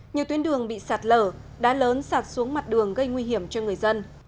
nhiều tuyến đường bị sạt lở đá lớn sạt xuống mặt đường gây nguy hiểm cho người dân